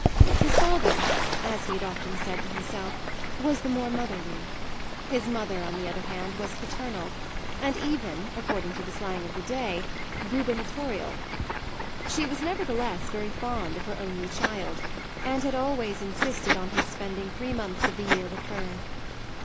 His father, as he had often said to himself, was the more motherly; his mother, on the other hand, was paternal, and even, according to the slang of the day, gubernatorial. She was nevertheless very fond of her only child and had always insisted on his spending three months of the year with her.